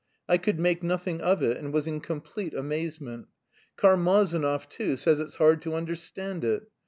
I could make nothing of it and was in complete amazement. Karmazinov, too, says it's hard to understand it.